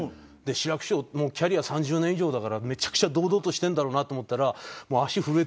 志らく師匠もうキャリア３０年以上だからめちゃくちゃ堂々としてるんだろうなと思ったら。